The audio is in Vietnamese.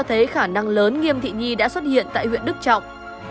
thấy khả năng lớn nghiêm thị nhi đã xuất hiện tại huyện đức trọng